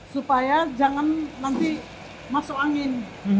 supaya jangan nanti masuk angin